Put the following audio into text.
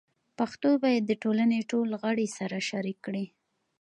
پښتو باید د ټولنې ټول غړي سره شریک کړي.